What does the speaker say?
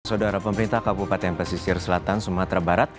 saudara pemerintah kabupaten pesisir selatan sumatera barat